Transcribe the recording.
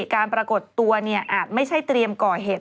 การปรากฏตัวเนี่ยอาจไม่ใช่เตรียมก่อเหตุ